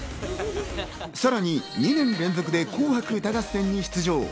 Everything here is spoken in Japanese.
さらに２年連続で『紅白歌合戦』に出場。